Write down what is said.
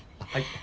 はい。